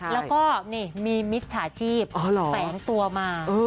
แล้วก็นี่มีมิจฉาชีพแฝงตัวมา